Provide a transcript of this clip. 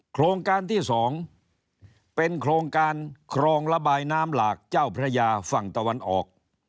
โครงการที่๒เป็นโครงการครองระบายน้ำหลากเจ้าพระยาฝั่งตะวันออก